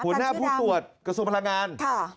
หัวหน้าผู้ตรวจกระทรวงพลังงาน